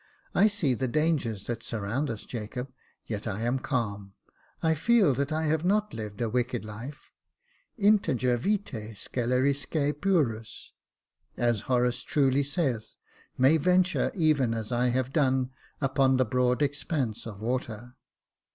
I see the dangers that surround us, Jacob, yet I am calm j I feel that I have not lived a wicked life —' Integer vita, scelerisque purus^ as Horace truly saith, may venture, even as I have done, upon the broad expanse of water.